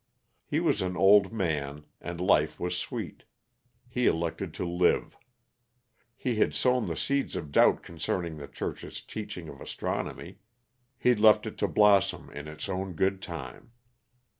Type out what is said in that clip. He was an old man, and life was sweet. He elected to live. He had sown the seeds of doubt concerning the Church's teaching of astronomy he left it to blossom in its own good time.